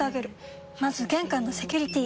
まず玄関のセキュリティ！